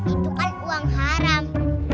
itu kan uang haram